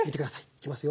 行きますよ。